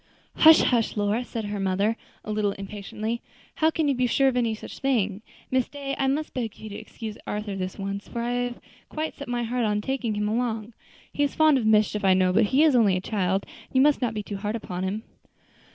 "Hush, hush, Lora," said her mother, a little impatiently; "how can you be sure of any such thing; Miss Day, I must beg of you to excuse Arthur this once, for I have quite set my heart on taking him along. He is fond of mischief, I know, but he is only a child, and you must not be too hard upon him."